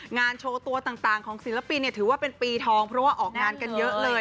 งานโชว์ตัวต่างของศิลปินเนี่ยถือว่าเป็นปีทองเพราะว่าออกงานกันเยอะเลย